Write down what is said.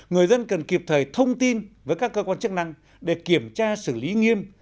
người dân cần kịp thời thông tin với các cơ quan chức năng để kiểm tra xử lý nghiêm